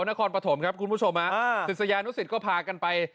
นครปฐมครับคุณผู้ชมฮะศิษยานุสิตก็พากันไป